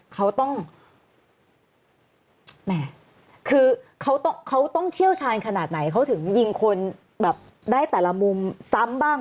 เขาต้องแหม่คือเขาต้องเชี่ยวชาญขนาดไหนเขาถึงยิงคนแบบได้แต่ละมุมซ้ำบ้าง